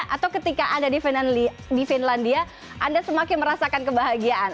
atau ketika anda di finlandia anda semakin merasakan kebahagiaan